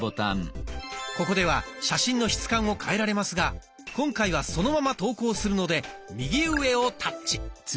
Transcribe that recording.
ここでは写真の質感を変えられますが今回はそのまま投稿するので右上をタッチ。